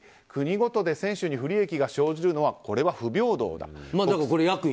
国ごとに選手に不利益が生じるのはこれは不平等だ。